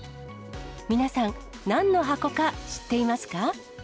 皆さん、なんの箱か知っていますか？